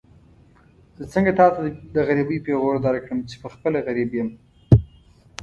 زه څنګه تاته د غريبۍ پېغور درکړم چې پخپله غريب يم.